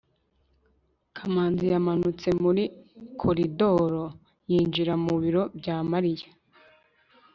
kamanzi yamanutse muri koridoro yinjira mu biro bya mariya